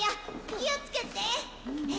気をつけて。